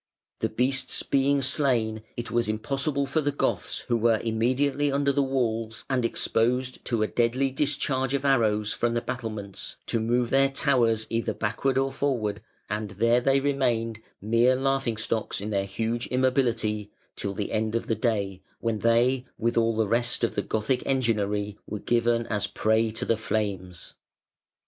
The beasts being slain, it was impossible for the Goths who were immediately under the walls and exposed to a deadly discharge of arrows from the battlements, to move their towers either backward or forward, and there they remained mere laughing stocks in their huge immobility, till the end of the day, when they with all the rest of the Gothic enginery were given as a prey to the flames.